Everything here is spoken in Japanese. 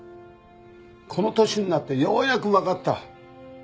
この年になってようやくわかった。